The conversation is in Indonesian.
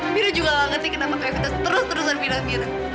mira juga gak ngerti kenapa kaya evita terus terusan bilang mira